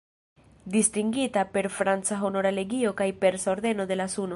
Distingita per franca Honora Legio kaj persa Ordeno de la Suno.